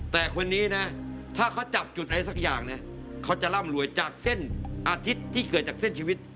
แต่คนนี้นะถ้าเขาจับจุดอะไรสักอย่างเนี่ยเขาจะร่ำรวยจากเส้นอาทิตย์ที่เกิดจากเส้นชีวิต